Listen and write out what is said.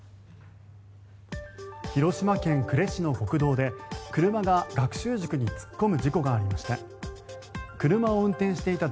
広島県呉市の国道で車が学習塾に突っ込む事故がありました。